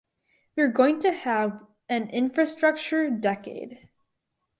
We’re going to have an infrastructure decade.